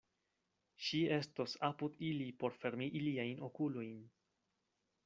Ŝi estos apud ili por fermi iliajn okulojn.